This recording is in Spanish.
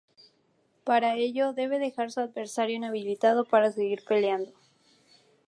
Para ello debe dejar a su adversario inhabilitado para seguir peleando.